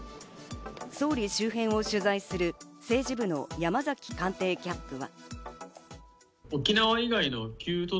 総理周辺を取材する政治部の山崎官邸キャップは。